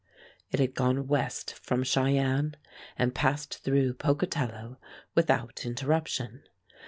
It had gone west from Cheyenne and passed through Pocatello without interruption.